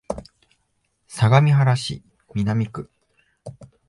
相模原市南区